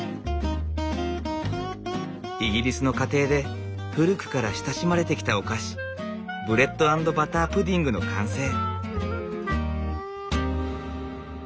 イギリスの家庭で古くから親しまれてきたお菓子ブレッド＆バタープディングの完成。